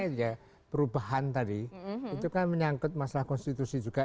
saja perubahan tadi itu kan menyangkut masalah konstitusi juga